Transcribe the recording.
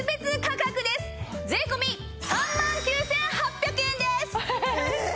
税込３万９８００円です！